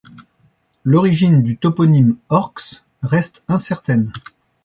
L’origine du toponyme Orx reste incertaine.